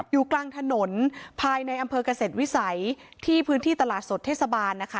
อยู่กลางถนนภายในอำเภอกเกษตรวิสัยที่พื้นที่ตลาดสดเทศบาลนะคะ